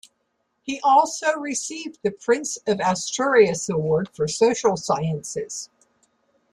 He also received the Prince of Asturias Award for Social Sciences.